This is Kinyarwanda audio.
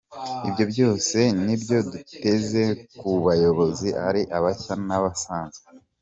Ibyo byose nibyo duteze ku bayobozi ari abashya n’abasanzwe’.